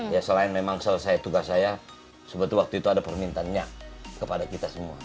ya selain memang selesai tugas saya waktu itu ada permintan nyak kepada kita semua